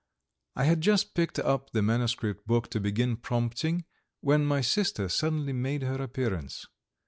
I had just picked up the manuscript book to begin prompting when my sister suddenly made her appearance.